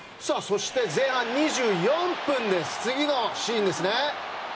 そして、前半２４分次のシーンですね。